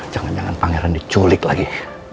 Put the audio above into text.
jangan jangan pangeran diculik lagi